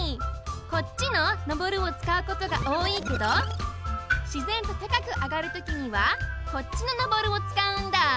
こっちの「上る」をつかうことがおおいけどしぜんとたかくあがるときにはこっちの「昇る」をつかうんだ。